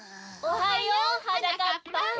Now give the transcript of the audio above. おはよう。